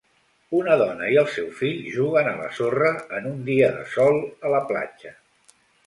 Una dona i el seu fill juguen a la sorra en un dia de sol a la platja.